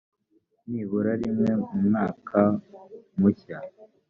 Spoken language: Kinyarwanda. nibura rimwe mu mwaka mushya